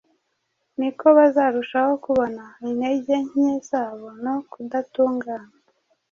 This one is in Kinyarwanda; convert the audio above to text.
ni ko bazarushaho kubona intege nke zabo no kudatungana.